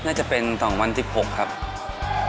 ก็มองว่าเป็นโอกาสที่ดีครับที่เรามีนักเตะหน้าใหม่เข้ามา